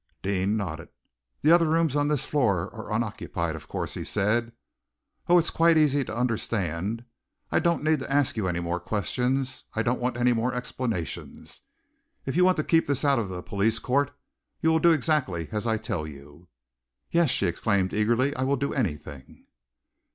Deane nodded. "The other rooms on this floor are unoccupied, of course," he said. "Oh! it's quite easy to understand. I don't need to ask you any more questions. I don't want any more explanations. If you want to keep this out of the police court, you will do exactly as I tell you." "Yes!" she exclaimed eagerly. "I will do anything."